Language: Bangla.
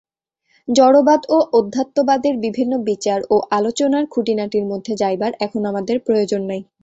জড়বাদ ও অধ্যাত্মবাদের বিভিন্ন বিচার ও আলোচনার খুঁটিনাটির মধ্যে যাইবার এখন আমাদের প্রয়োজন নাই।